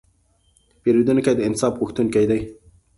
پیرودونکی د انصاف غوښتونکی دی.